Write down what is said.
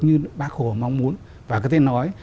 như bác hồ mong muốn và có thể nói